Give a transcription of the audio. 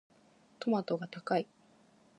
トマトが高い。